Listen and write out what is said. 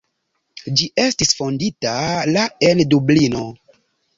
Ĝi estis fondita la en Dublino.